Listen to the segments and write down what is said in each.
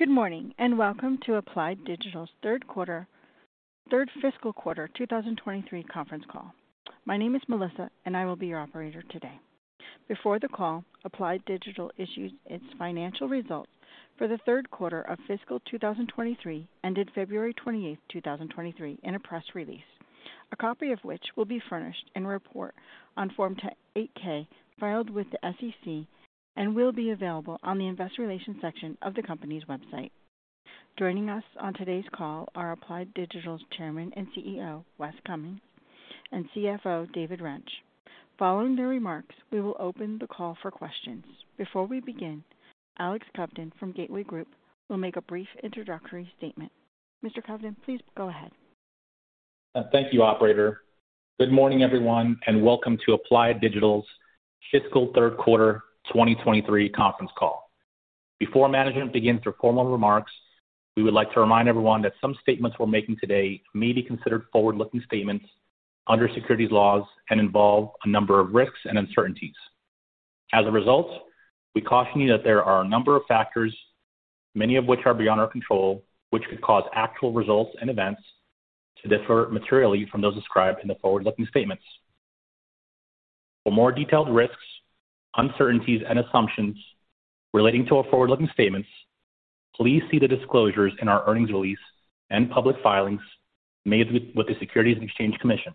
Good morning, and welcome to Applied Digital's Third Fiscal Quarter, 2023 Conference Call. My name is Melissa, and I will be your operator today. Before the call, Applied Digital issued its financial results for the 3rd quarter of fiscal 2023, ended February 28, 2023 in a press release. A copy of which will be furnished in report on Form 8-K filed with the SEC and will be available on the investor relations section of the company's website. Joining us on today's call are Applied Digital's Chairman and CEO, Wes Cummins, and CFO, David Rench. Following their remarks, we will open the call for questions. Before we begin, Alex Kovtun from Gateway Group will make a brief introductory statement. Mr. Kovtun, please go ahead. Thank you, operator. Good morning, everyone, and welcome to Applied Digital's Fiscal Third Quarter 2023 Conference Call. Before management begins their formal remarks, we would like to remind everyone that some statements we're making today may be considered forward-looking statements under securities laws and involve a number of risks and uncertainties. As a result, we caution you that there are a number of factors, many of which are beyond our control, which could cause actual results and events to differ materially from those described in the forward-looking statements. For more detailed risks, uncertainties, and assumptions relating to our forward-looking statements, please see the disclosures in our earnings release and public filings made with the Securities and Exchange Commission.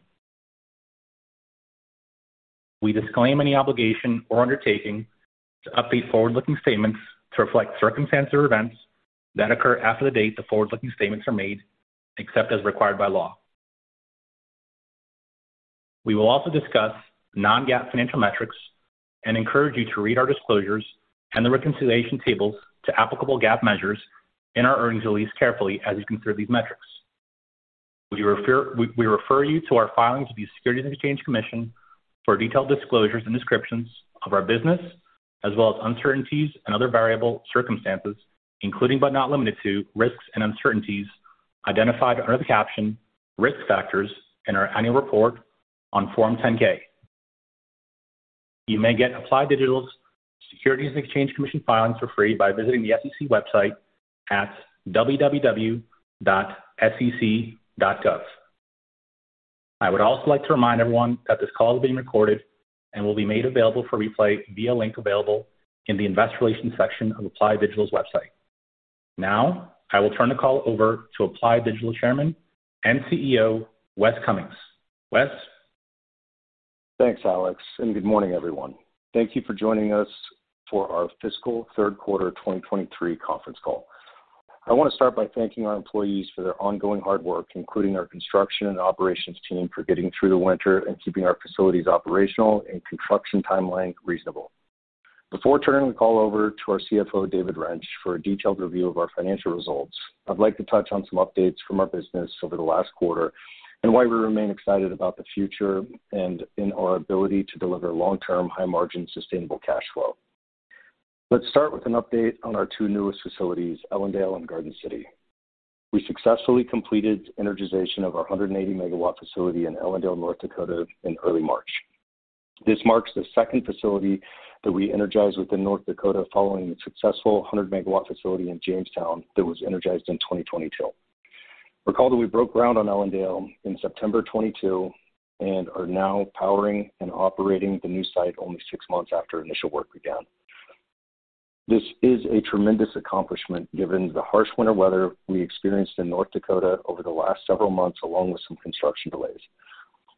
We disclaim any obligation or undertaking to update forward-looking statements to reflect circumstances or events that occur after the date the forward-looking statements are made, except as required by law. We will also discuss non-GAAP financial metrics and encourage you to read our disclosures and the reconciliation tables to applicable GAAP measures in our earnings release carefully as you consider these metrics. We refer you to our filings with the Securities and Exchange Commission for detailed disclosures and descriptions of our business, as well as uncertainties and other variable circumstances, including, but not limited to, risks and uncertainties identified under the caption Risk Factors in our annual report on Form 10-K. You may get Applied Digital's Securities and Exchange Commission filings for free by visiting the SEC website at www.sec.gov. I would also like to remind everyone that this call is being recorded and will be made available for replay via link available in the investor relations section of Applied Digital's website. I will turn the call over to Applied Digital's Chairman and CEO, Wes Cummins. Wes. Thanks, Alex. Good morning, everyone. Thank you for joining us for our fiscal 3rd quarter 2023 conference call. I want to start by thanking our employees for their ongoing hard work, including our construction and operations team for getting through the winter and keeping our facilities operational and construction timeline reasonable. Before turning the call over to our CFO David Rench for a detailed review of our financial results, I'd like to touch on some updates from our business over the last quarter and why we remain excited about the future and in our ability to deliver long-term, high-margin, sustainable cash flow. Let's start with an update on our two newest facilities, Ellendale and Garden City. We successfully completed energization of our 180 MW facility in Ellendale, North Dakota in early March. This marks the second facility that we energize within North Dakota following the successful 100 megawatt facility in Jamestown that was energized in 2022. Recall that we broke ground on Ellendale in September 2022 and are now powering and operating the new site only six months after initial work began. This is a tremendous accomplishment given the harsh winter weather we experienced in North Dakota over the last several months, along with some construction delays.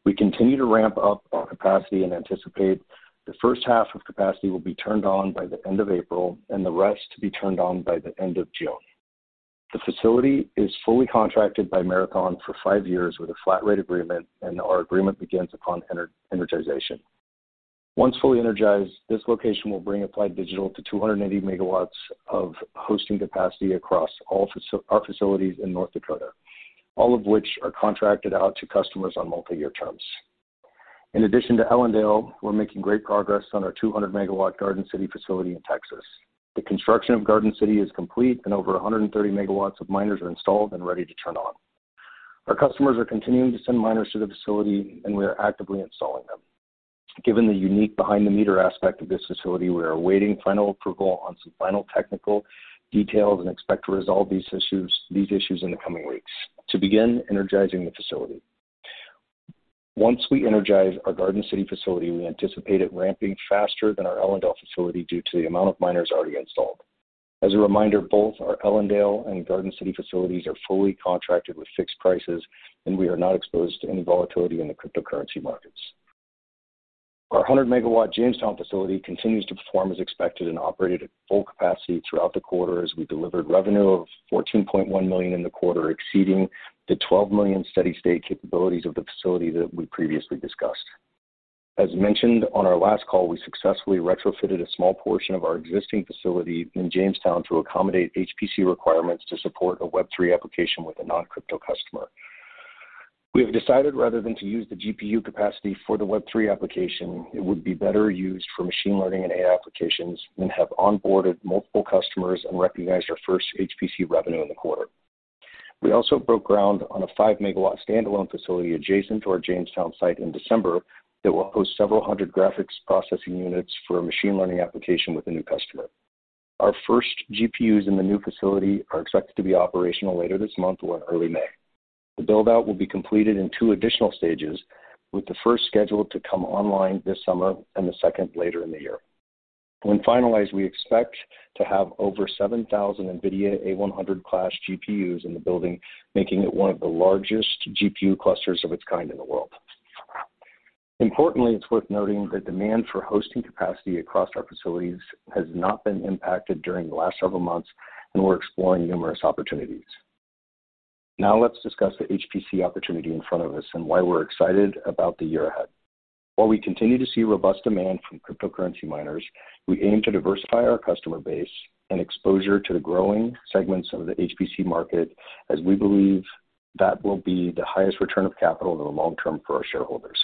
We continue to ramp up our capacity and anticipate the first half of capacity will be turned on by the end of April and the rest to be turned on by the end of June. The facility is fully contracted by Marathon for five years with a flat rate agreement. Our agreement begins upon energization. Once fully energized, this location will bring Applied Digital to 280 megawatts of hosting capacity across all our facilities in North Dakota, all of which are contracted out to customers on multi-year terms. In addition to Ellendale, we're making great progress on our 200 megawatt Garden City facility in Texas. The construction of Garden City is complete and over 130 megawatts of miners are installed and ready to turn on. Our customers are continuing to send miners to the facility, and we are actively installing them. Given the unique behind-the-meter aspect of this facility, we are awaiting final approval on some final technical details and expect to resolve these issues in the coming weeks to begin energizing the facility. Once we energize our Garden City facility, we anticipate it ramping faster than our Ellendale facility due to the amount of miners already installed. As a reminder, both our Ellendale and Garden City facilities are fully contracted with fixed prices. We are not exposed to any volatility in the cryptocurrency markets. Our 100 megawatt Jamestown facility continues to perform as expected and operated at full capacity throughout the quarter as we delivered revenue of $14.1 million in the quarter, exceeding the $12 million steady state capabilities of the facility that we previously discussed. As mentioned on our last call, we successfully retrofitted a small portion of our existing facility in Jamestown to accommodate HPC requirements to support a Web3 application with a non-crypto customer. We have decided rather than to use the GPU capacity for the Web3 application, it would be better used for machine learning and AI applications and have onboarded multiple customers and recognized our first HPC revenue in the quarter. We also broke ground on a 5-megawatt standalone facility adjacent to our Jamestown site in December that will host several hundred graphics processing units for a machine learning application with a new customer. Our first GPUs in the new facility are expected to be operational later this month or early May. The build-out will be completed in two additional stages, with the first scheduled to come online this summer and the second later in the year. When finalized, we expect to have over 7,000 NVIDIA A100 class GPUs in the building, making it one of the largest GPU clusters of its kind in the world. Importantly, it's worth noting that demand for hosting capacity across our facilities has not been impacted during the last several months, and we're exploring numerous opportunities. Let's discuss the HPC opportunity in front of us and why we're excited about the year ahead. While we continue to see robust demand from cryptocurrency miners, we aim to diversify our customer base and exposure to the growing segments of the HPC market as we believe that will be the highest return of capital in the long term for our shareholders.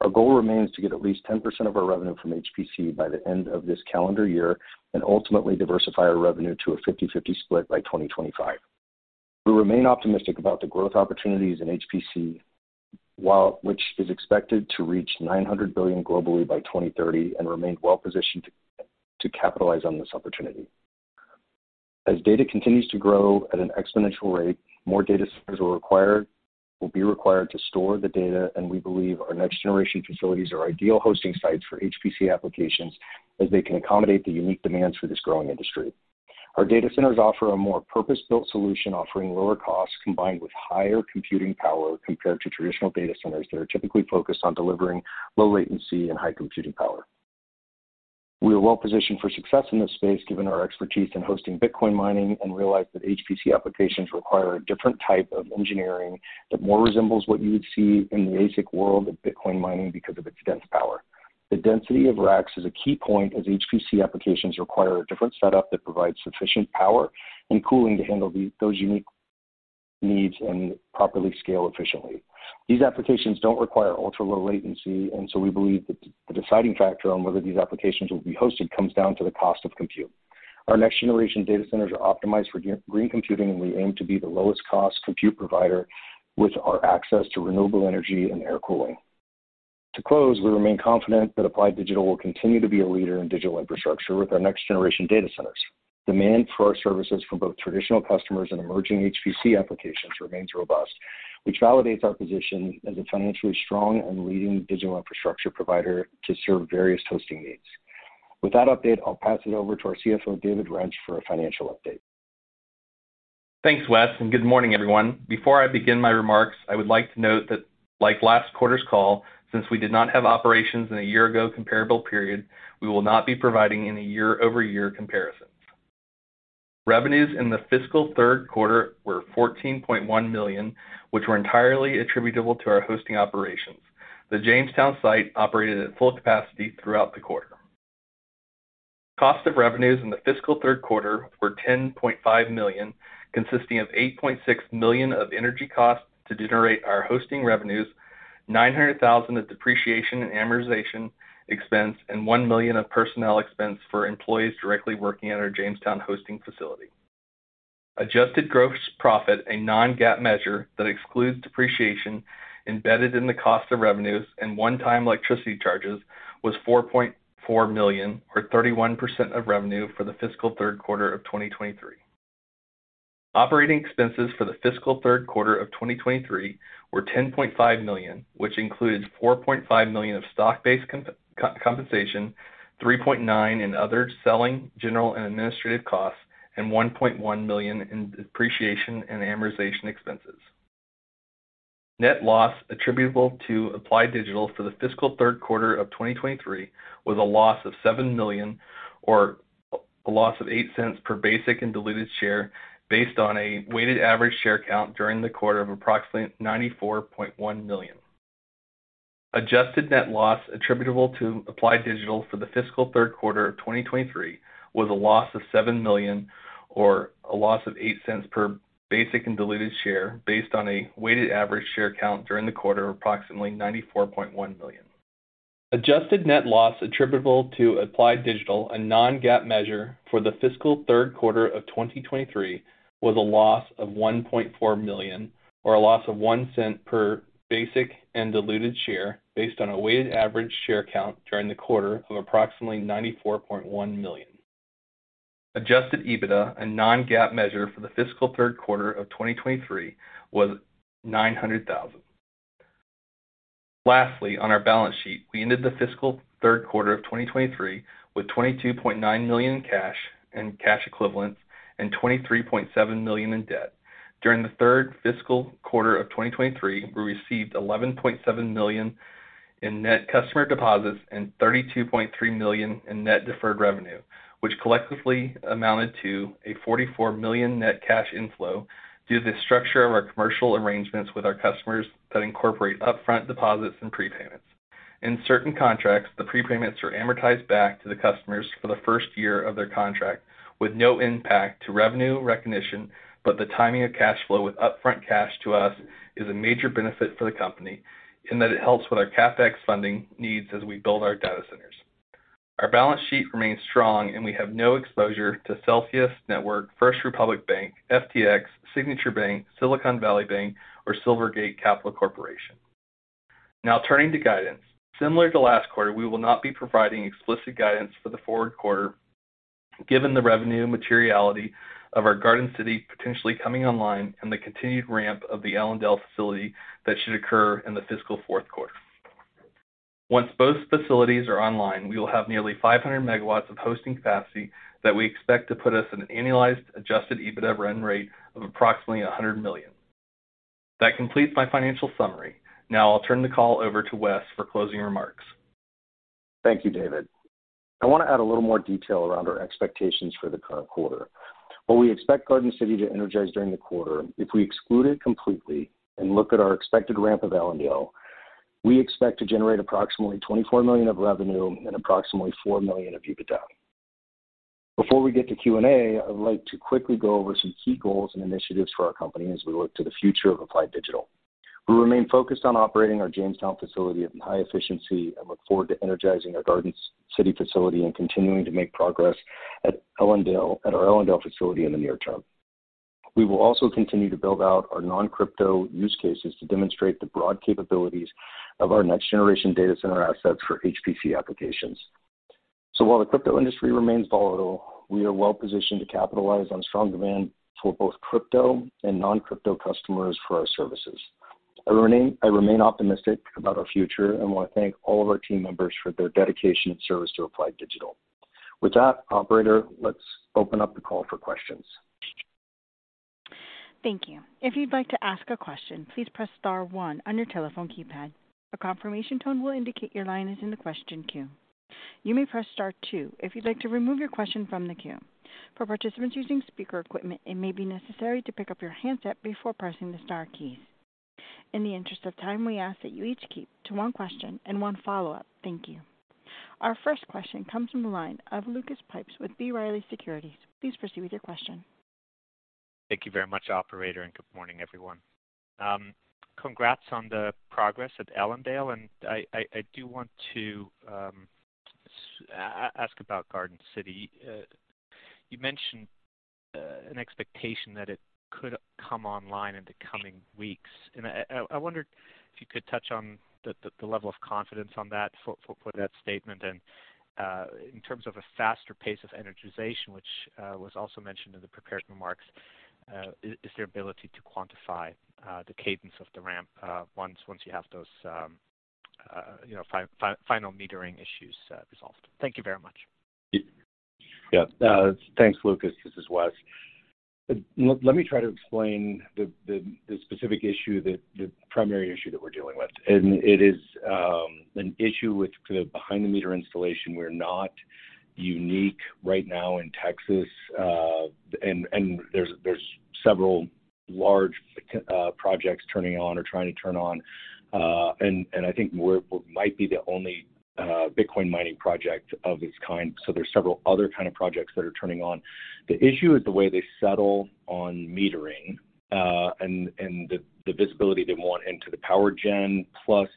Our goal remains to get at least 10% of our revenue from HPC by the end of this calendar year and ultimately diversify our revenue to a 50/50 split by 2025. We remain optimistic about the growth opportunities in HPC, which is expected to reach $900 billion globally by 2030 and remain well-positioned to capitalize on this opportunity. As data continues to grow at an exponential rate, more data centers will be required to store the data, and we believe our next-generation facilities are ideal hosting sites for HPC applications as they can accommodate the unique demands for this growing industry. Our data centers offer a more purpose-built solution, offering lower costs combined with higher computing power compared to traditional data centers that are typically focused on delivering low latency and high computing power. We are well positioned for success in this space given our expertise in hosting Bitcoin mining and realize that HPC applications require a different type of engineering that more resembles what you would see in the basic world of Bitcoin mining because of its dense power. The density of racks is a key point as HPC applications require a different setup that provides sufficient power and cooling to handle those unique needs and properly scale efficiently. These applications don't require ultra-low latency. We believe that the deciding factor on whether these applications will be hosted comes down to the cost of compute. Our next-generation data centers are optimized for green computing. We aim to be the lowest cost compute provider with our access to renewable energy and air cooling. To close, we remain confident that Applied Digital will continue to be a leader in digital infrastructure with our next-generation data centers. Demand for our services from both traditional customers and emerging HPC applications remains robust, which validates our position as a financially strong and leading digital infrastructure provider to serve various hosting needs. With that update, I'll pass it over to our CFO, David Rench, for a financial update. Thanks, Wes. Good morning, everyone. Before I begin my remarks, I would like to note that like last quarter's call, since we did not have operations in a year-ago comparable period, we will not be providing any year-over-year comparisons. Revenues in the fiscal third quarter were $14.1 million, which were entirely attributable to our hosting operations. The Jamestown site operated at full capacity throughout the quarter. Cost of revenues in the fiscal third quarter were $10.5 million, consisting of $8.6 million of energy costs to generate our hosting revenues, $900,000 of depreciation and amortization expense, and $1 million of personnel expense for employees directly working at our Jamestown hosting facility. Adjusted gross profit, a non-GAAP measure that excludes depreciation embedded in the cost of revenues and one-time electricity charges, was $4.4 million or 31% of revenue for the fiscal third quarter of 2023. Operating expenses for the fiscal third quarter of 2023 were $10.5 million, which includes $4.5 million of stock-based compensation, $3.9 million in other selling, general, and administrative costs, and $1.1 million in depreciation and amortization expenses. Net loss attributable to Applied Digital for the fiscal third quarter of 2023 was a loss of $7 million or a loss of $0.08 per basic and diluted share based on a weighted average share count during the quarter of approximately 94.1 million. Adjusted net loss attributable to Applied Digital for the fiscal third quarter of 2023 was a loss of $7 million or a loss of $0.08 per basic and diluted share based on a weighted average share count during the quarter of approximately 94.1 million. Adjusted net loss attributable to Applied Digital, a non-GAAP measure for the fiscal third quarter of 2023, was a loss of $1.4 million or a loss of $0.01 per basic and diluted share based on a weighted average share count during the quarter of approximately 94.1 million. Adjusted EBITDA, a non-GAAP measure for the fiscal third quarter of 2023, was $900,000. Lastly, on our balance sheet, we ended the fiscal third quarter of 2023 with $22.9 million in cash and cash equivalents and $23.7 million in debt. During the 3rd fiscal quarter of 2023, we received $11.7 million in net customer deposits and $32.3 million in net deferred revenue, which collectively amounted to a $44 million net cash inflow due to the structure of our commercial arrangements with our customers that incorporate upfront deposits and prepayments. In certain contracts, the prepayments are amortized back to the customers for the 1st year of their contract with no impact to revenue recognition, but the timing of cash flow with upfront cash to us is a major benefit for the company in that it helps with our CapEx funding needs as we build our data centers. Our balance sheet remains strong, and we have no exposure to Celsius Network, First Republic Bank, FTX, Signature Bank, Silicon Valley Bank, or Silvergate Capital Corporation. Now turning to guidance. Similar to last quarter, we will not be providing explicit guidance for the forward quarter given the revenue materiality of our Garden City potentially coming online and the continued ramp of the Ellendale facility that should occur in the fiscal fourth quarter. Once both facilities are online, we will have nearly 500 MW of hosting capacity that we expect to put us in an annualized adjusted EBITDA run rate of approximately $100 million. That completes my financial summary. Now I'll turn the call over to Wes for closing remarks. Thank you, David. I want to add a little more detail around our expectations for the current quarter. While we expect Garden City to energize during the quarter, if we exclude it completely and look at our expected ramp of Ellendale, we expect to generate approximately $24 million of revenue and approximately $4 million of EBITDA. Before we get to Q&A, I would like to quickly go over some key goals and initiatives for our company as we look to the future of Applied Digital. We remain focused on operating our Jamestown facility at high efficiency and look forward to energizing our Garden City facility and continuing to make progress at our Ellendale facility in the near term. We will also continue to build out our non-crypto use cases to demonstrate the broad capabilities of our next generation data center assets for HPC applications. While the crypto industry remains volatile, we are well positioned to capitalize on strong demand for both crypto and non-crypto customers for our services. I remain optimistic about our future and want to thank all of our team members for their dedication and service to Applied Digital. With that, operator, let's open up the call for questions. Thank you. If you'd like to ask a question, please press star one on your telephone keypad. A confirmation tone will indicate your line is in the question queue. You may press star two if you'd like to remove your question from the queue. For participants using speaker equipment, it may be necessary to pick up your handset before pressing the star keys. In the interest of time, we ask that you each keep to one question and one follow-up. Thank you. Our first question comes from the line of Lucas Pipes with B. Riley Securities. Please proceed with your question. Thank you very much, operator, good morning, everyone. Congrats on the progress at Ellendale, I, I do want to ask about Garden City. You mentioned an expectation that it could come online in the coming weeks. I wonder if you could touch on the level of confidence on that for that statement. In terms of a faster pace of energization, which was also mentioned in the prepared remarks, is there ability to quantify the cadence of the ramp once you have those, you know, final metering issues resolved? Thank you very much. Yeah. Thanks, Lucas. This is Wes. Let me try to explain the primary issue that we're dealing with. It is an issue with kind of behind-the-meter installation. We're not unique right now in Texas. There's several large projects turning on or trying to turn on. I think we're what might be the only Bitcoin mining project of its kind. There's several other kind of projects that are turning on. The issue is the way they settle on metering, and the visibility they want into the power gen plus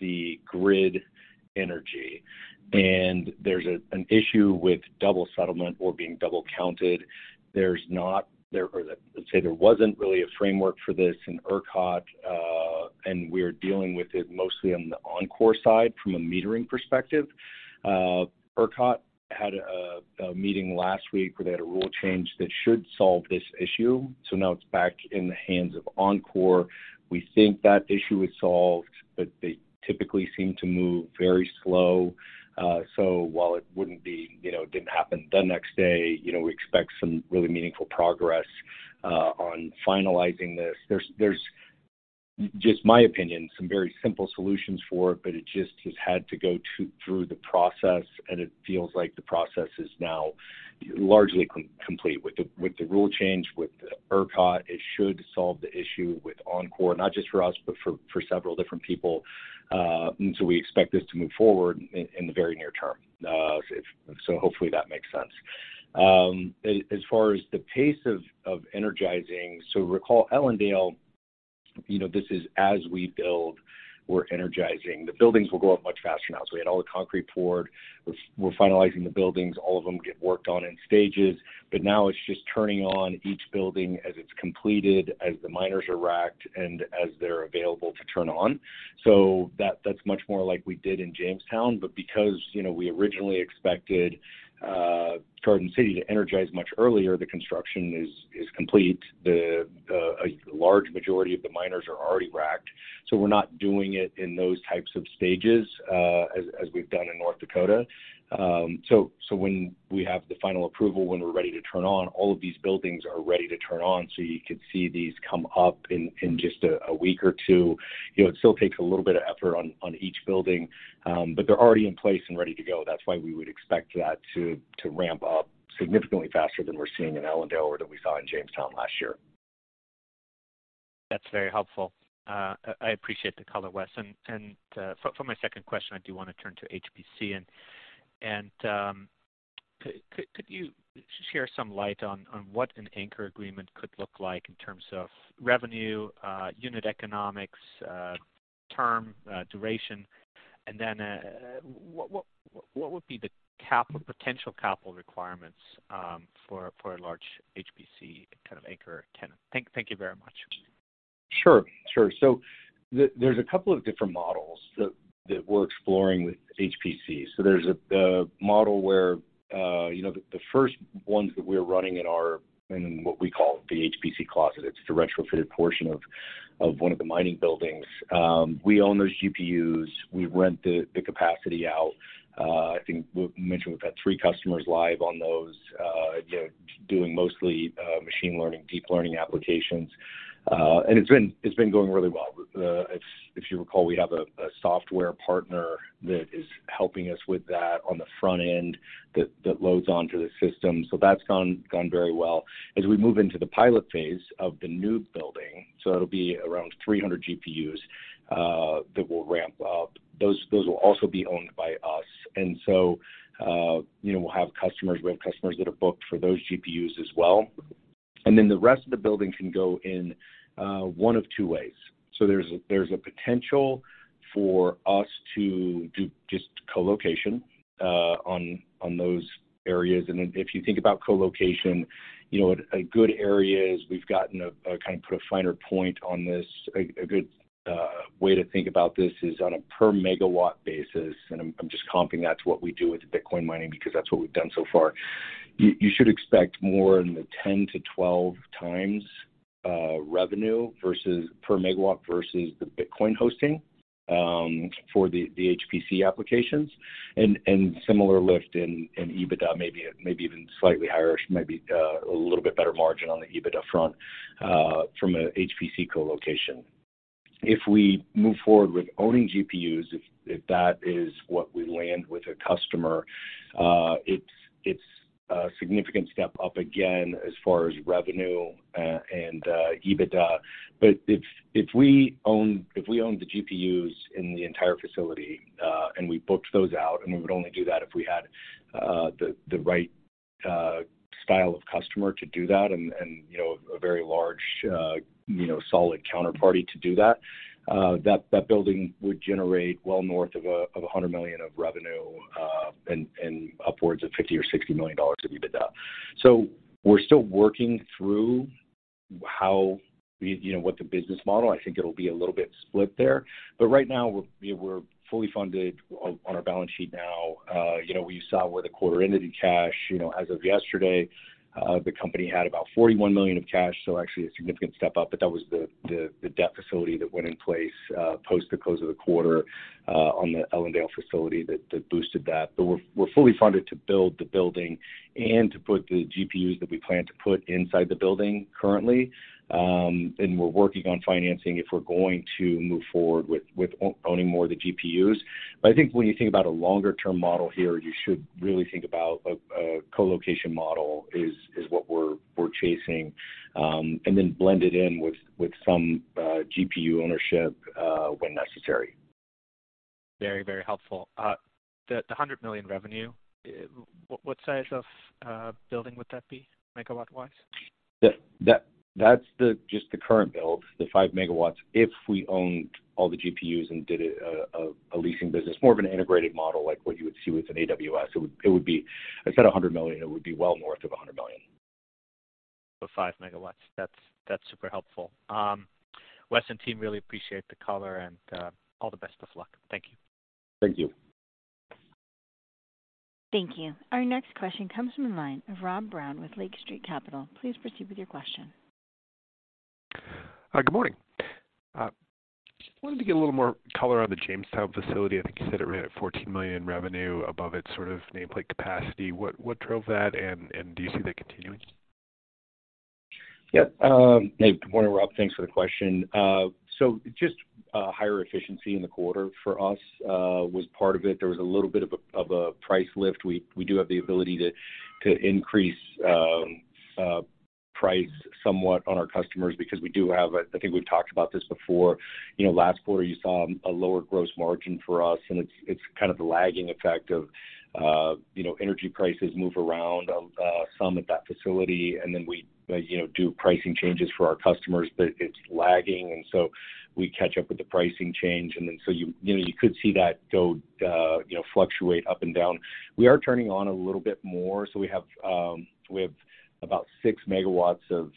the grid energy. There's an issue with double settlement or being double counted. Or let's say there wasn't really a framework for this in ERCOT, and we're dealing with it mostly on the Oncor side from a metering perspective. ERCOT had a meeting last week where they had a rule change that should solve this issue. Now it's back in the hands of Oncor. We think that issue is solved, but they typically seem to move very slow. While it wouldn't be, you know, didn't happen the next day, you know, we expect some really meaningful progress on finalizing this. There's, just my opinion, some very simple solutions for it, but it just has had to go through the process, and it feels like the process is now largely complete. With the rule change with ERCOT, it should solve the issue with Oncor, not just for us, but for several different people. And so we expect this to move forward in the very near term. So hopefully that makes sense. As far as the pace of energizing, recall Ellendale, you know, this is as we build, we're energizing. The buildings will go up much faster now. We had all the concrete poured. We're finalizing the buildings. All of them get worked on in stages. Now it's just turning on each building as it's completed, as the miners are racked, and as they're available to turn on. That's much more like we did in Jamestown. Because, you know, we originally expected Garden City to energize much earlier, the construction is complete. The a large majority of the miners are already racked. We're not doing it in those types of stages, as we've done in North Dakota. When we have the final approval, when we're ready to turn on, all of these buildings are ready to turn on. You could see these come up in just a week or two. You know, it still takes a little bit of effort on each building, but they're already in place and ready to go. That's why we would expect that to ramp up significantly faster than we're seeing in Ellendale or that we saw in Jamestown last year. That's very helpful. I appreciate the color, Wes. For my second question, I do wanna turn to HPC. Could you share some light on what an anchor agreement could look like in terms of revenue, unit economics, term, duration? Then, what would be the potential capital requirements for a large HPC kind of anchor tenant? Thank you very much. Sure. Sure. There's a couple of different models that we're exploring with HPC. There's a model where, you know, the first ones that we're running in our, in what we call the HPC closet, it's the retrofitted portion of one of the mining buildings. We own those GPUs. We rent the capacity out. I think we mentioned we've had 3 customers live on those, you know, doing mostly machine learning, deep learning applications. It's been going really well. If you recall, we have a software partner that is helping us with that on the front end that loads onto the system. That's gone very well. As we move into the pilot phase of the new building, it'll be around 300 GPUs that we'll ramp up. Those will also be owned by us. you know, we'll have customers, we have customers that are booked for those GPUs as well. the rest of the building can go in one of two ways. there's a potential for us to do just colocation on those areas. if you think about colocation, you know, a good area is we've gotten a kind of put a finer point on this. A good way to think about this is on a per megawatt basis, I'm just comping that to what we do with the Bitcoin mining because that's what we've done so far. You should expect more in the 10 to 12 times revenue versus per megawatt versus the Bitcoin hosting for the HPC applications. Similar lift in EBITDA, maybe even slightly higher, maybe a little bit better margin on the EBITDA front from a HPC colocation. If we move forward with owning GPUs, if that is what we land with a customer, it's a significant step up again as far as revenue and EBITDA. If we own the GPUs in the entire facility, and we booked those out, and we would only do that if we had the right style of customer to do that and, you know, a very large, you know, solid counterparty to do that building would generate well north of $100 million of revenue and upwards of $50 million or $60 million of EBITDA. We're still working through how we, you know, what the business model. I think it'll be a little bit split there. Right now, we're fully funded on our balance sheet now. You know, you saw where the quarter ended in cash. You know, as of yesterday, the company had about $41 million of cash, so actually a significant step up. That was the debt facility that went in place post the close of the quarter on the Ellendale facility that boosted that. We're fully funded to build the building and to put the GPUs that we plan to put inside the building currently. We're working on financing if we're going to move forward with owning more of the GPUs. I think when you think about a longer-term model here, you should really think about a colocation model is what we're chasing, and then blend it in with some GPU ownership when necessary. Very, very helpful. The, the $100 million revenue, what size of building would that be megawatt-wise? That's the just the current build, the 5 megawatts. If we owned all the GPUs and did a leasing business, more of an integrated model like what you would see with an AWS, it would be. I said $100 million, it would be well north of $100 million. For 5 megawatts. That's super helpful. Wes and team really appreciate the color, and all the best of luck. Thank you. Thank you. Thank you. Our next question comes from the line of Rob Brown with Lake Street Capital. Please proceed with your question. Hi. Good morning. Wanted to get a little more color on the Jamestown facility. I think you said it ran at $14 million revenue above its sort of nameplate capacity. What drove that? Do you see that continuing? Yeah. Good morning, Rob. Thanks for the question. Just higher efficiency in the quarter for us, was part of it. There was a little bit of a price lift. We do have the ability to increase price somewhat on our customers because we do have I think we've talked about this before. You know, last quarter, you saw a lower gross margin for us, and it's kind of the lagging effect of, you know, energy prices move around some at that facility, and then we, you know, do pricing changes for our customers, but it's lagging, and so we catch up with the pricing change. You know, you could see that go, you know, fluctuate up and down. We are turning on a little bit more, so we have about 6 megawatts of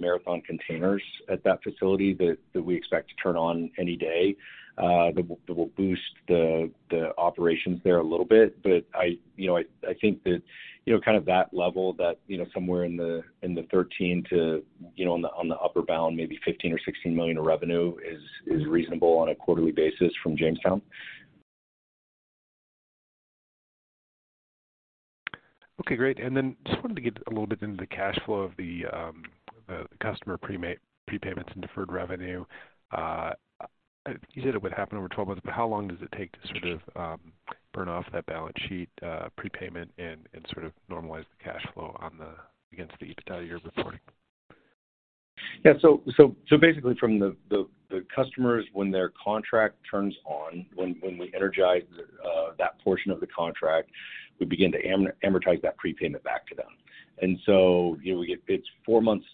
Marathon containers at that facility that we expect to turn on any day that will boost the operations there a little bit. I, you know, I think that, you know, kind of that level that, you know, somewhere in the $13 million to, you know, on the upper bound, maybe $15 million or $16 million of revenue is reasonable on a quarterly basis from Jamestown. Okay, great. Just wanted to get a little bit into the cash flow of the customer prepayments and deferred revenue. You said it would happen over 12 months, but how long does it take to sort of burn off that balance sheet prepayment and sort of normalize the cash flow against the EBITDA you're reporting? Basically from the customers when their contract turns on, when we energize that portion of the contract, we begin to amortize that prepayment back to them. you know, it's four months.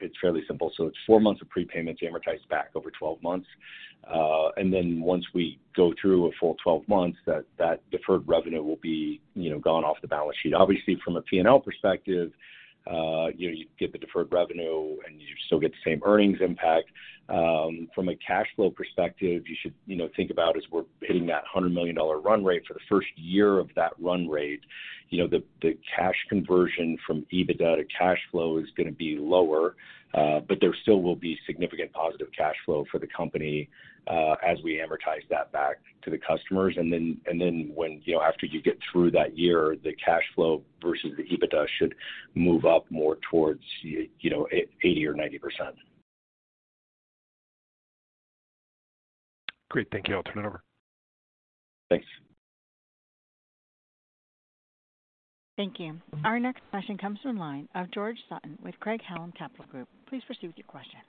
It's fairly simple. It's four months of prepayments amortized back over 12 months. Once we go through a full 12 months, that deferred revenue will be, you know, gone off the balance sheet. Obviously, from a P&L perspective, you get the deferred revenue, and you still get the same earnings impact. From a cash flow perspective, you should, you know, think about as we're hitting that $100 million run rate for the first year of that run rate, you know, the cash conversion from EBITDA to cash flow is gonna be lower, but there still will be significant positive cash flow for the company as we amortize that back to the customers. When, you know, after you get through that year, the cash flow versus the EBITDA should move up more towards you know, 80% or 90%. Great. Thank you. I'll turn it over. Thanks. Thank you. Our next question comes from the line of George Sutton with Craig-Hallum Capital Group. Please proceed with your question.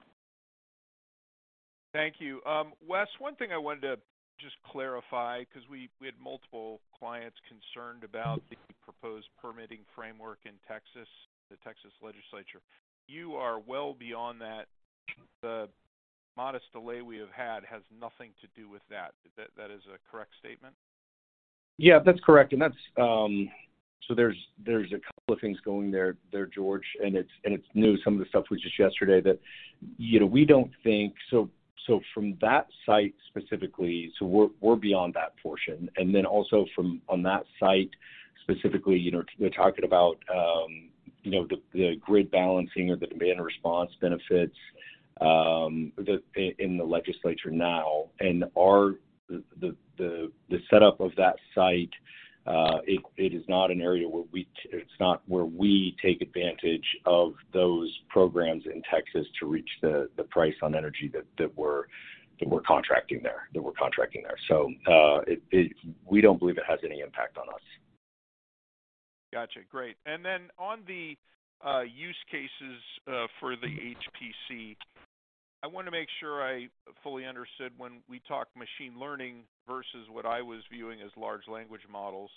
Thank you. Wes, one thing I wanted to just clarify, 'cause we had multiple clients concerned about the proposed permitting framework in Texas, the Texas Legislature. You are well beyond that. The modest delay we have had has nothing to do with that. That is a correct statement? Yeah, that's correct. There's a couple of things going there, George, and it's new. Some of the stuff was just yesterday that, you know, we don't think. From that site specifically, we're beyond that portion. From that site specifically, you know, they're talking about, you know, the grid balancing or the demand response benefits in the legislature now. The setup of that site, it is not an area where we take advantage of those programs in Texas to reach the price on energy that we're contracting there. We don't believe it has any impact on us. Gotcha. Great. On the use cases for the HPC, I wanna make sure I fully understood when we talked machine learning versus what I was viewing as large language models.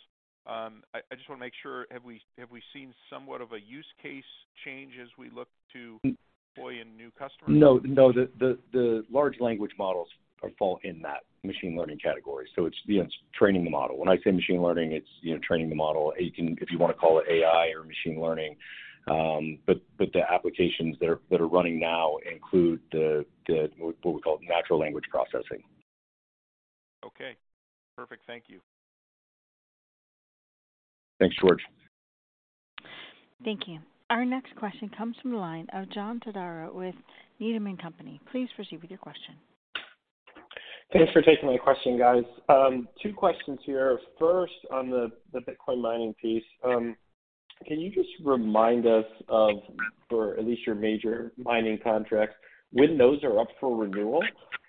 I just wanna make sure, have we seen somewhat of a use case change as we look to deploy in new customers? No, no. The large language models fall in that machine learning category, so it's, you know, it's training the model. When I say machine learning, it's, you know, training the model. If you wanna call it AI or machine learning, but the applications that are running now include the what we call natural language processing. Okay. Perfect. Thank you. Thanks, George. Thank you. Our next question comes from the line of John Todaro with Needham & Company. Please proceed with your question. Thanks for taking my question, guys. Two questions here. First, on the Bitcoin mining piece, can you just remind us of, for at least your major mining contracts, when those are up for renewal?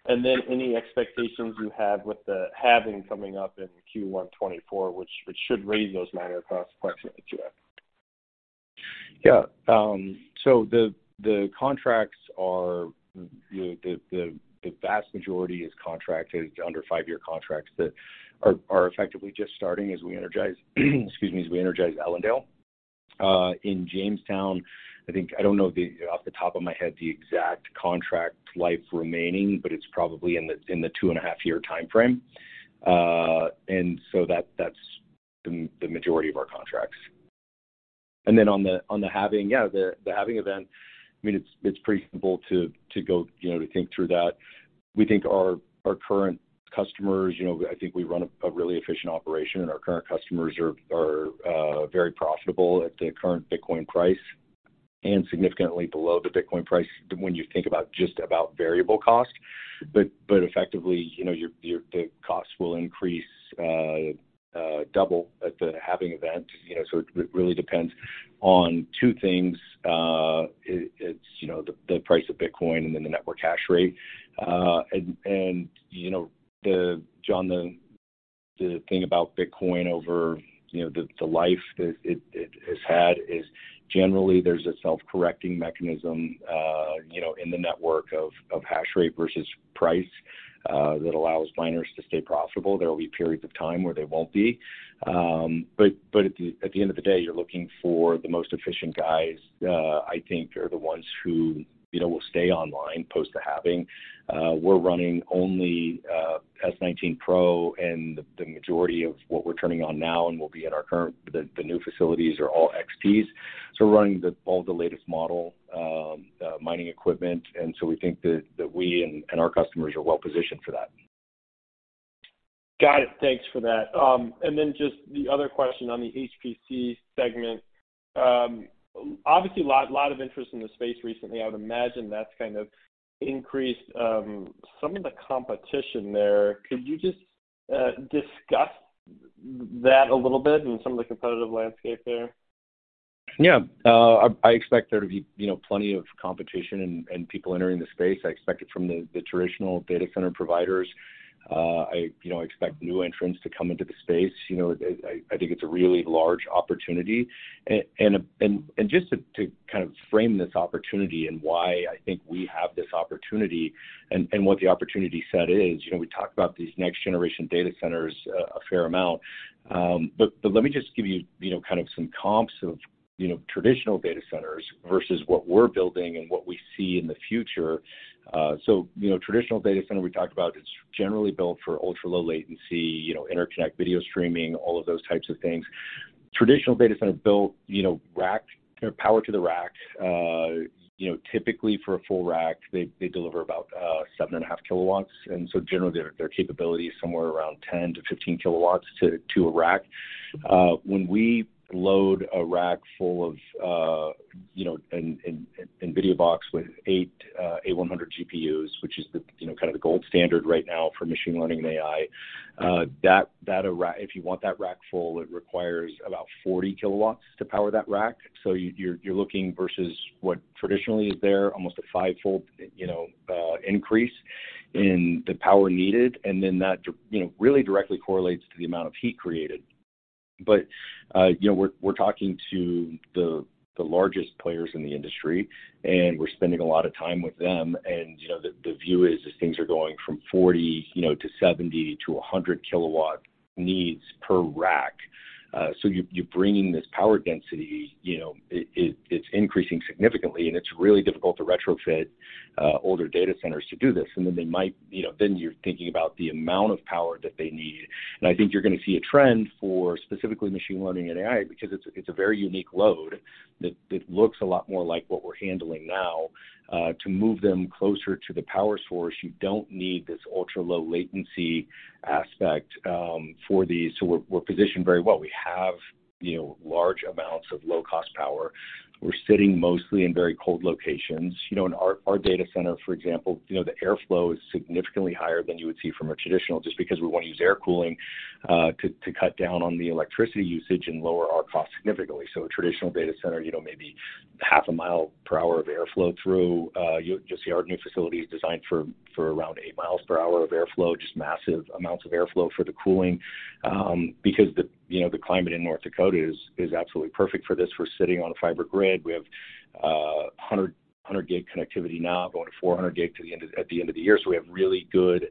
Then any expectations you have with the halving coming up in Q1 2024, which should raise those mining costs quite significantly. Yeah. The contracts are, you know, the vast majority is contracted under 5-year contracts that are effectively just starting as we energize, excuse me, as we energize Ellendale. In Jamestown, I think off the top of my head, the exact contract life remaining, but it's probably in the 2.5-year timeframe. That's the majority of our contracts. On the halving, yeah, the halving event, I mean, it's pretty simple to go, you know, to think through that. We think our current customers, you know, I think we run a really efficient operation, and our current customers are very profitable at the current Bitcoin price and significantly below the Bitcoin price when you think about just about variable cost. effectively, you know, the cost will increase, double at the halving event, you know. It really depends on two things. it's, you know, the price of Bitcoin and then the network hash rate. you know, John, the thing about Bitcoin over, you know, the life that it has had is generally there's a self-correcting mechanism, you know, in the network of hash rate versus price that allows miners to stay profitable. There will be periods of time where they won't be. at the end of the day, you're looking for the most efficient guys, I think are the ones who, you know, will stay online post the halving. We're running only S19 Pro, and the majority of what we're turning on now and will be at the new facilities are all XPs. We're running all the latest model mining equipment, and we think that we and our customers are well positioned for that. Got it. Thanks for that. Just the other question on the HPC segment. Obviously a lot of interest in the space recently. I would imagine that's kind of increased some of the competition there. Could you just discuss that a little bit and some of the competitive landscape there? Yeah. I expect there to be, you know, plenty of competition and people entering the space. I expect it from the traditional data center providers. I, you know, expect new entrants to come into the space. You know, I think it's a really large opportunity. Just to kind of frame this opportunity and why I think we have this opportunity and what the opportunity set is, you know, we talked about these next generation data centers a fair amount. Let me just give you know, kind of some comps of, you know, traditional data centers versus what we're building and what we see in the future. You know, traditional data center we talked about, it's generally built for ultra-low latency, you know, interconnect, video streaming, all of those types of things. Traditional data center built, you know, racked, you know, power to the rack. Typically for a full rack, they deliver about 7.5 kilowatts, and generally their capability is somewhere around 10-15 kilowatts to a rack. When we load a rack full of, you know, an NVIDIA box with eight A100 GPUs, which is the, you know, kind of the gold standard right now for machine learning and AI, that rack, if you want that rack full, it requires about 40 kilowatts to power that rack. You're looking versus what traditionally is there, almost a fivefold, you know, increase in the power needed, and then that, you know, really directly correlates to the amount of heat created. You know, we're talking to the largest players in the industry, and we're spending a lot of time with them. You know, the view is things are going from 40, you know, to 70 to 100 kW needs per rack. You're bringing this power density, you know, it's increasing significantly, and it's really difficult to retrofit older data centers to do this. Then they might. You know, then you're thinking about the amount of power that they need. I think you're gonna see a trend for specifically machine learning and AI because it's a very unique load that looks a lot more like what we're handling now. To move them closer to the power source, you don't need this ultra-low latency aspect for these. We're positioned very well. We have, you know, large amounts of low-cost power. We're sitting mostly in very cold locations. You know, and our data center, for example, you know, the airflow is significantly higher than you would see from a traditional, just because we want to use air cooling to cut down on the electricity usage and lower our cost significantly. A traditional data center, you know, maybe half a mile per hour of airflow through. You'll see our new facility is designed for around 8 miles per hour of airflow, just massive amounts of airflow for the cooling, because you know, the climate in North Dakota is absolutely perfect for this. We're sitting on a fiber grid. We have 100 gig connectivity now, going to 400 gig at the end of the year. We have really good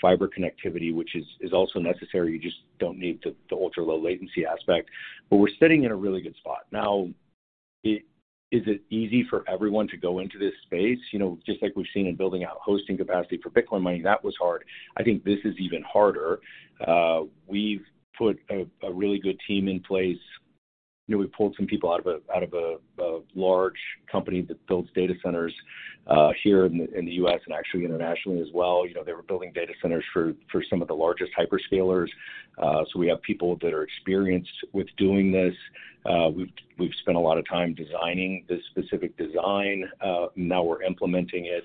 fiber connectivity, which is also necessary. You just don't need the ultra-low latency aspect. We're sitting in a really good spot. Is it easy for everyone to go into this space? You know, just like we've seen in building out hosting capacity for Bitcoin mining, that was hard. I think this is even harder. We've put a really good team in place. You know, we pulled some people out of a large company that builds data centers here in the U.S. and actually internationally as well. You know, they were building data centers for some of the largest hyperscalers. We have people that are experienced with doing this. We've spent a lot of time designing this specific design. Now we're implementing it.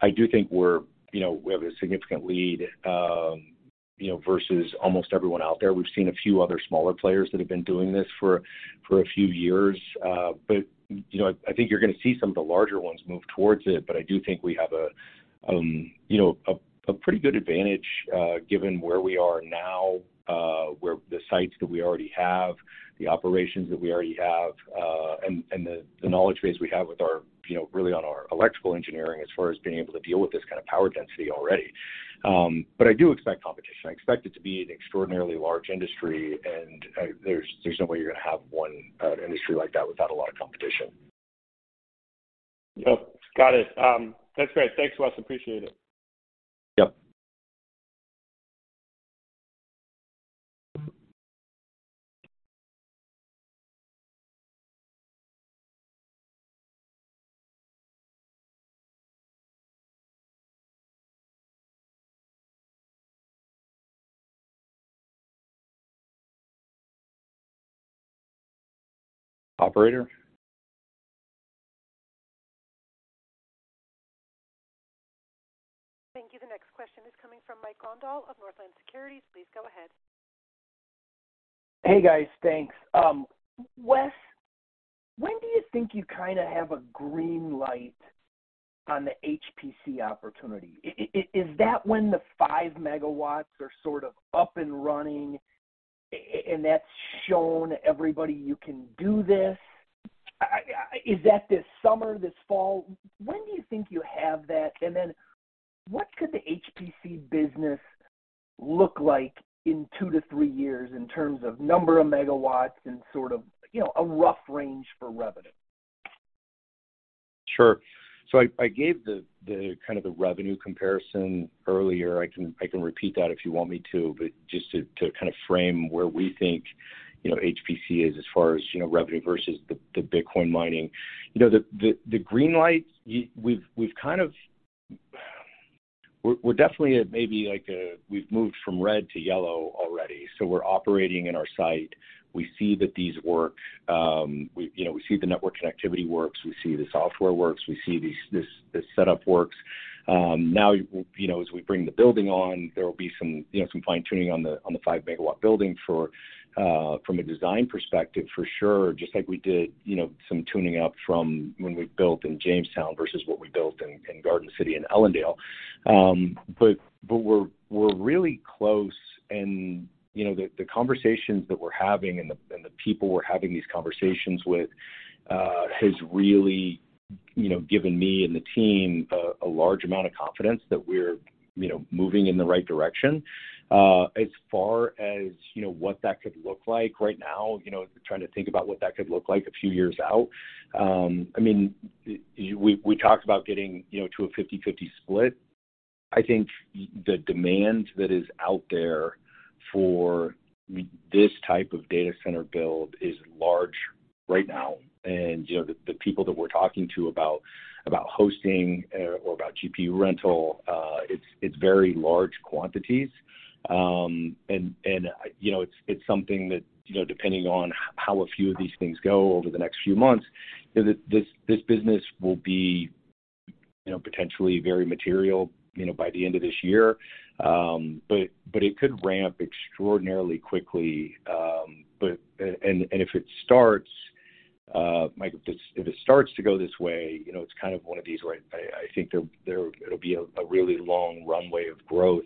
I do think we're, you know, we have a significant lead, you know, versus almost everyone out there. We've seen a few other smaller players that have been doing this for a few years. You know, I think you're gonna see some of the larger ones move towards it. I do think we have a, you know, a pretty good advantage, given where we are now, where the sites that we already have, the operations that we already have, and the knowledge base we have with our, you know, really on our electrical engineering as far as being able to deal with this kind of power density already. I do expect competition. I expect it to be an extraordinarily large industry, and there's no way you're gonna have one industry like that without a lot of competition. Yep. Got it. That's great. Thanks, Wes. Appreciate it. Yep. Operator? Thank you. The next question is coming from Mike Grondahl of Northland Securities. Please go ahead. Hey, guys. Thanks. Wes, when do you think you kind of have a green light on the HPC opportunity? Is that when the 5 megawatts are sort of up and running and that's shown everybody you can do this? Is that this summer, this fall? When do you think you have that? What could the HPC business look like in 2-3 years in terms of number of megawatts and sort of, you know, a rough range for revenue? Sure. I gave the kind of the revenue comparison earlier. I can, I can repeat that if you want me to, but just to kind of frame where we think, you know, HPC is as far as, you know, revenue versus the Bitcoin mining. The, the green light, we've kind of we're definitely at maybe like a, we've moved from red to yellow already. We're operating in our site. We see that these work. We, you know, we see the network connectivity works. We see the software works. We see this setup works. Now, you know, as we bring the building on, there will be some, you know, some fine-tuning on the, on the five-megawatt building for, from a design perspective for sure, just like we did, you know, some tuning up from when we built in Jamestown versus what we built in Garden City and Ellendale. We're really close, and, you know, the conversations that we're having and the people we're having these conversations with, has really, you know, given me and the team a large amount of confidence that we're, you know, moving in the right direction. As far as, you know, what that could look like right now, you know, trying to think about what that could look like a few years out, we talked about getting, you know, to a 50/50 split. I think the demand that is out there for this type of data center build is large right now. You know, the people that we're talking to about hosting or about GPU rental, it's very large quantities. You know, it's something that, you know, depending on how a few of these things go over the next few months, this business will be, you know, potentially very material, you know, by the end of this year. It could ramp extraordinarily quickly. If it starts, Mike, if it, if it starts to go this way, you know, it's kind of one of these where I think there it'll be a really long runway of growth.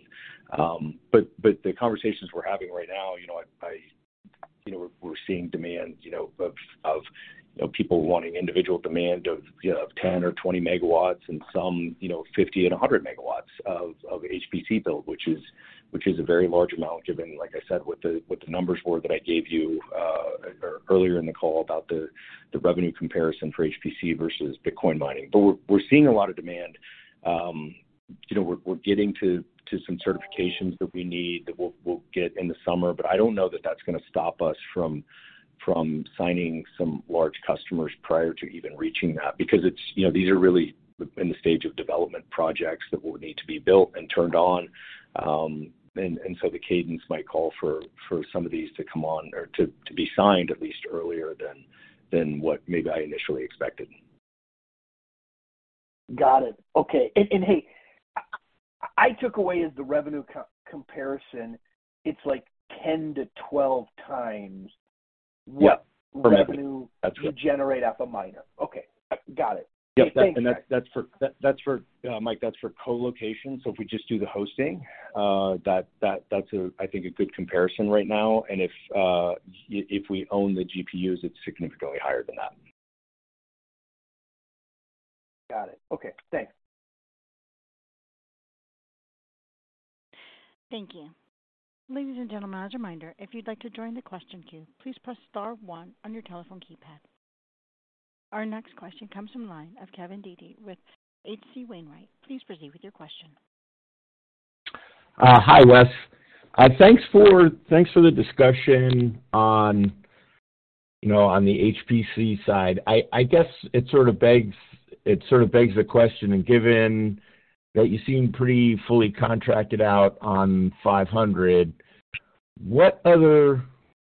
The conversations we're having right now, you know, I You know, we're seeing demand, you know, of, you know, people wanting individual demand of, you know, of 10 or 20 megawatts and some, you know, 50 and 100 megawatts of HPC build, which is a very large amount, given, like I said, what the, what the numbers were that I gave you earlier in the call about the revenue comparison for HPC versus Bitcoin mining. We're seeing a lot of demand. You know, we're getting to some certifications that we need that we'll get in the summer. I don't know that that's gonna stop us from signing some large customers prior to even reaching that because you know, these are really in the stage of development projects that will need to be built and turned on. The cadence might call for some of these to come on or to be signed at least earlier than what maybe I initially expected. Got it. Okay. Hey, I took away as the revenue co-comparison, it's like 10-12 times- Yeah. For revenue. What revenue? That's right. -you generate at the miner. Okay. Got it. Yeah. Thanks. That's for Mike, that's for colocation. If we just do the hosting, that's a, I think, a good comparison right now. If we own the GPUs, it's significantly higher than that. Got it. Okay. Thanks. Thank you. Ladies and gentlemen, as a reminder, if you'd like to join the question queue, please press star one on your telephone keypad. Our next question comes from line of Kevin Dede with H.C. Wainwright. Please proceed with your question. Hi, Wes. Thanks for the discussion on, you know, on the HPC side. I guess it sort of begs the question, and given that you seem pretty fully contracted out on 500, what other...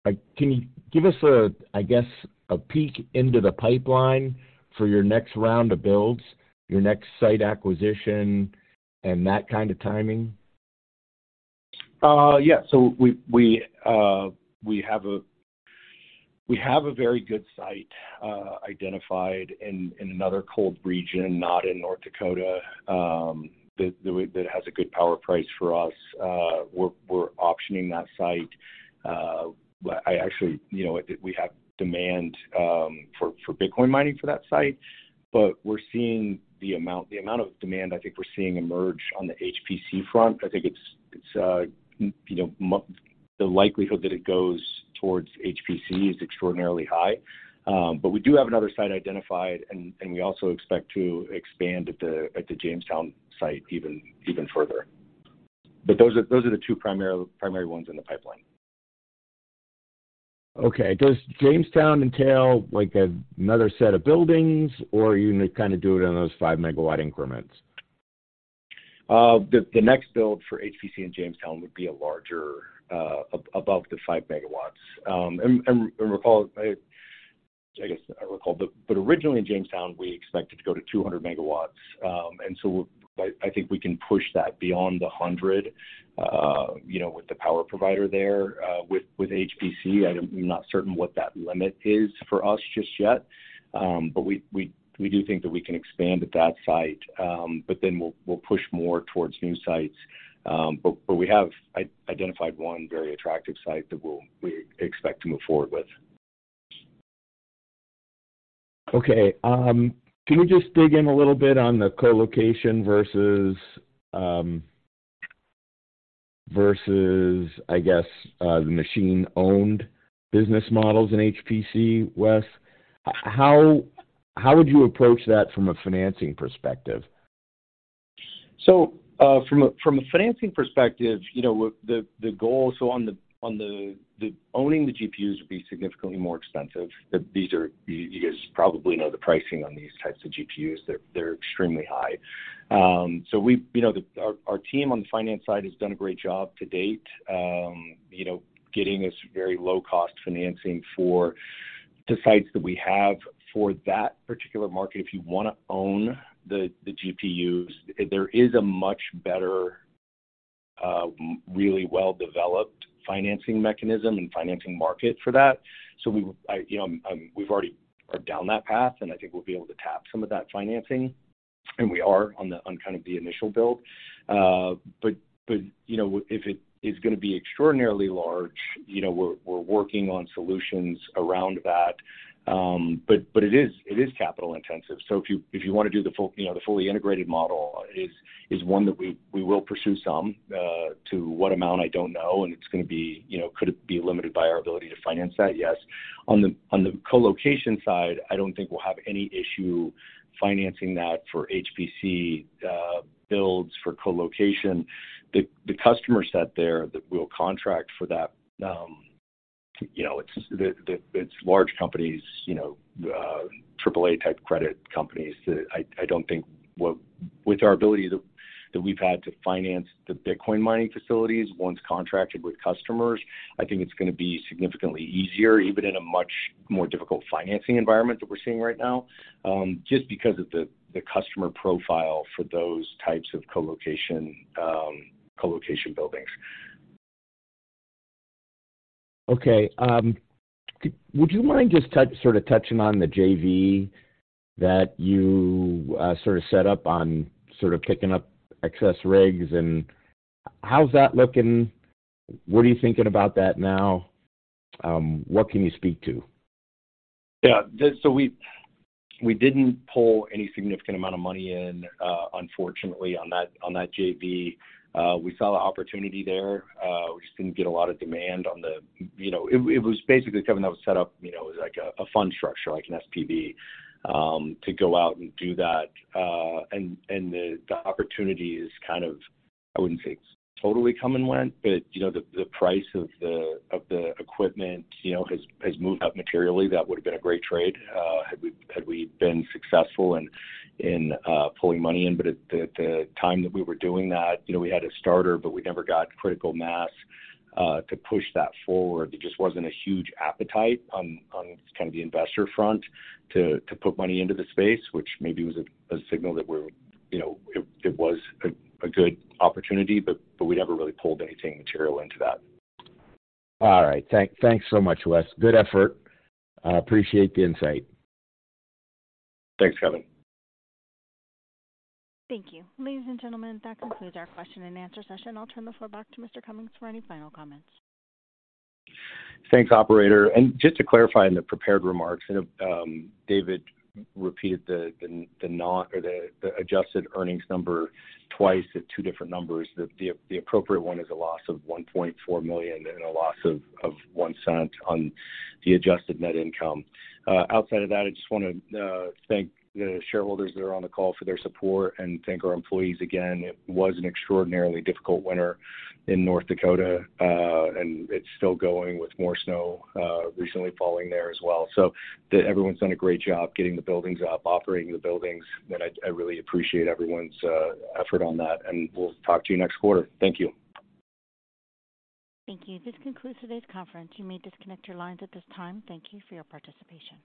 Like, can you give us a, I guess, a peek into the pipeline for your next round of builds, your next site acquisition, and that kind of timing? We have a very good site identified in another cold region, not in North Dakota, that has a good power price for us. We're optioning that site. I actually, you know, we have demand for Bitcoin mining for that site, we're seeing the amount of demand I think we're seeing emerge on the HPC front. I think it's, you know, the likelihood that it goes towards HPC is extraordinarily high. We do have another site identified, and we also expect to expand at the Jamestown site even further. Those are the two primary ones in the pipeline. Okay. Does Jamestown entail like a, another set of buildings, or are you gonna kinda do it in those 5-megawatt increments? The next build for HPC in Jamestown would be a larger above the 5 megawatts. Recall, I guess, I recall, but originally in Jamestown, we expected to go to 200 megawatts. I think we can push that beyond the 100, you know, with the power provider there, with HPC. I'm not certain what that limit is for us just yet. We do think that we can expand at that site. We'll push more towards new sites. We have identified one very attractive site that we expect to move forward with. Okay. Can you just dig in a little bit on the colocation versus, I guess, the machine-owned business models in HPC, Wes? How would you approach that from a financing perspective? From a financing perspective, you know, the goal. Owning the GPUs would be significantly more expensive. You guys probably know the pricing on these types of GPUs. They're extremely high. You know, our team on the finance side has done a great job to date, you know, getting us very low-cost financing for sites that we have for that particular market, if you wanna own the GPUs, there is a much better, really well-developed financing mechanism and financing market for that. We, I, you know, we've already are down that path, and I think we'll be able to tap some of that financing, and we are on kind of the initial build. You know, if it is gonna be extraordinarily large, you know, we're working on solutions around that. It is capital-intensive. If you, if you wanna do the full, you know, the fully integrated model is one that we will pursue some. To what amount, I don't know, and it's gonna be, you know, could it be limited by our ability to finance that? Yes. On the colocation side, I don't think we'll have any issue financing that for HPC builds for colocation. The customer set there that we'll contract for that, you know, it's large companies, you know, triple-A type credit companies that I don't think will... With our ability that we've had to finance the Bitcoin mining facilities once contracted with customers, I think it's gonna be significantly easier, even in a much more difficult financing environment that we're seeing right now, just because of the customer profile for those types of colocation buildings. Okay, would you mind just sort of touching on the JV that you sort of set up on sort of picking up excess rigs, and how's that looking? What are you thinking about that now? What can you speak to? Yeah. We, we didn't pull any significant amount of money in, unfortunately, on that, on that JV. We saw the opportunity there, we just didn't get a lot of demand on the... You know, it was basically, Kevin, that was set up, you know, as like a fund structure, like an SPV, to go out and do that. The, the opportunity is kind of, I wouldn't say totally come and went, but, you know, the price of the, of the equipment, you know, has moved up materially. That would've been a great trade, had we, had we been successful in pulling money in. At the time that we were doing that, you know, we had a starter, but we never got critical mass, to push that forward. There just wasn't a huge appetite on kind of the investor front to put money into the space, which maybe was a signal that we're, you know. It was a good opportunity, but we never really pulled anything material into that. All right. Thanks so much, Wes. Good effort. I appreciate the insight. Thanks, Kevin. Thank you. Ladies and gentlemen, that concludes our question and answer session. I'll turn the floor back to Mr. Cummins for any final comments. Thanks, operator. Just to clarify in the prepared remarks, David Rench repeated the adjusted earnings number twice at 2 different numbers. The appropriate one is a loss of $1.4 million and a loss of $0.01 on the adjusted net income. Outside of that, I just wanna thank the shareholders that are on the call for their support and thank our employees again. It was an extraordinarily difficult winter in North Dakota, and it's still going with more snow recently falling there as well. Everyone's done a great job getting the buildings up, operating the buildings, and I really appreciate everyone's effort on that, and we'll talk to you next quarter. Thank you. Thank you. This concludes today's conference. You may disconnect your lines at this time. Thank you for your participation.